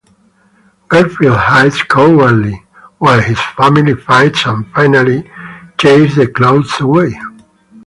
Garfield hides cowardly while his family fights and finally chase the Claws away.